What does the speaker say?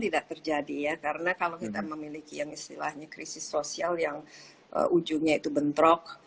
tidak terjadi ya karena kalau kita memiliki yang istilahnya krisis sosial yang ujungnya itu bentrok